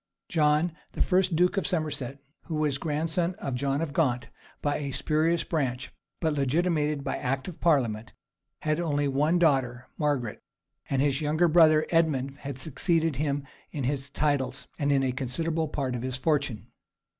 John, the first duke of Somerset who was grandson of John of Gaunt, by a spurious branch but legitimated by act of parliament, had left only one daughter, Margaret; and his younger brother, Edmund, had succeeded him in his titles, and in a considerable part of his fortune.